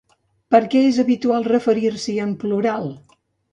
Per què és habitual referir-s'hi en plural?